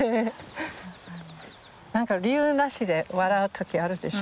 何か理由なしで笑う時あるでしょ？